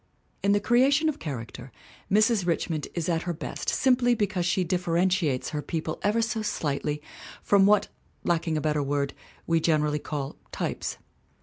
In the creation of character Mrs. Richmond is at her best simply because she differentiates her people ever so slightly from what, lacking a better word, we generally call types.